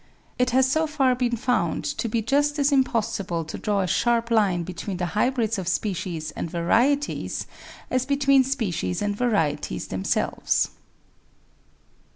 It has so far been found to be just as impossible to draw a sharp line between the hybrids of species and varieties as between species and varieties themselves.